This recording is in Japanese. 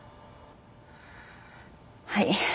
はい。